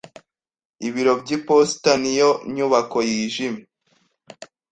Ibiro by'iposita ni iyo nyubako yijimye.